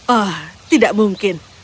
oh tidak mungkin